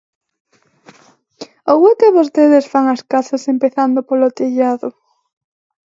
¿Ou é que vostedes fan as casas empezando polo tellado?